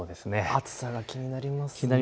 暑さが気になりますね。